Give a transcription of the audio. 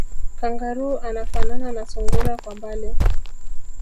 Kangaroo anafanana na sungura kwa mbali